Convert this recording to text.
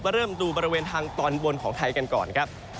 เริ่มดูบริเวณทางตอนบนของไทยกันก่อนครับ